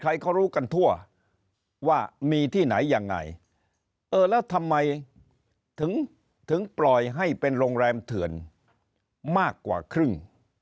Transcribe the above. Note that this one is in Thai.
ใครเขารู้กันทั่วว่ามีที่ไหนยังไงเออแล้วทำไมถึงถึงปล่อยให้เป็นโรงแรมเถื่อนมากกว่าครึ่ง